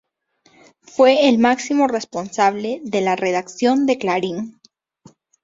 Fue el máximo responsable de la Redacción de Clarín.